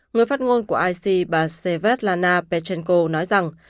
người phát ngôn của ic bà svetlana pechenko nói rằng